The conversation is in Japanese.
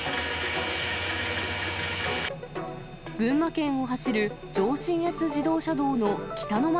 群馬県を走る上信越自動車道の北野牧